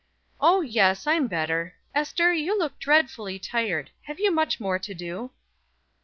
"O, yes; I'm better. Ester, you look dreadfully tired. Have you much more to do?"